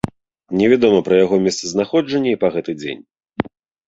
Невядома пра яго месцазнаходжанне і па гэты дзень.